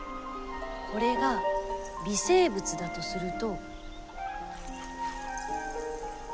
これが微生物だとすると。